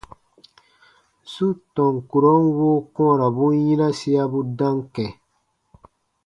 Su tɔn kurɔn woo kɔ̃ɔrabun yinasiabu dam kɛ̃.